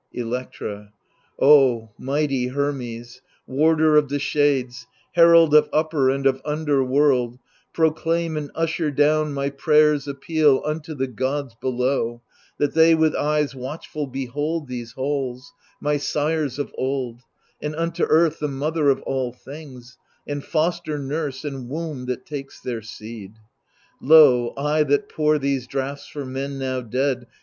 Electra mighty Hermes, warder of the shades Herald of upper and of under world, Proclaim and usher down my prayer's appeal Unto the gods below, that they with eyes Watchful behold these halls, my sire's of old — And unto Earth, the mother of all things, And foster nurse, and womb that takes their seed. Lo, I that pour these draughts for men now dead.